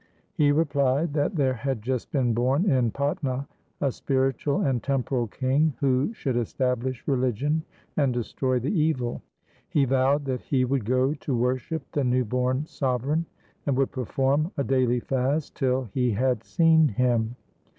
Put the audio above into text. He replied that there had just been born in Patna a spiritual and temporal king who should establish religion and destroy the evil. He vowed that he would go to worship the new born sovereign, and would perform a daily fast till he had seen him.